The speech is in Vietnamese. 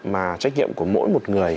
mà trách nhiệm của mỗi một người